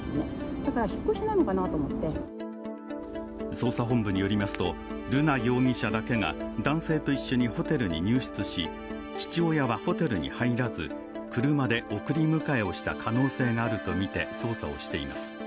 捜査本部によりますと、瑠奈容疑者だけが男性と一緒にホテルに入室し父親はホテルに入らず車で送り迎えをした可能性があるとみて捜査をしています。